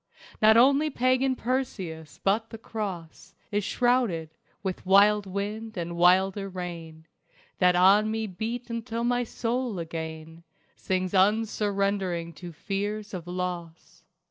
Not only pagan Perseus but the Cross Is shrouded with wild wind and wilder rain, That on me beat until my soul again Sings unsurrendering to fears of Loss.